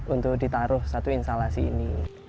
untuk ditaruh satu instalasi ini